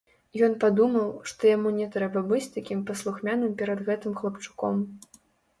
Ён падумаў, што яму не трэба быць такім паслухмяным перад гэтым хлапчуком.